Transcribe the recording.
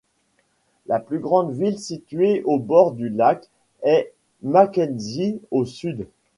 La plus grande ville située au bord du lac est Mackenzie au sud.